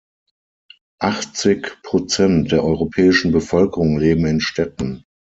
Achtzig Prozent der europäischen Bevölkerung leben in Städten.